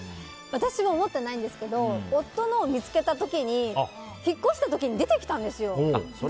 私も持っていないんですけど夫のを見つけた時に引っ越した時に出てきたんです。